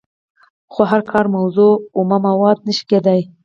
خو هره کاري موضوع اومه ماده نشي کیدای.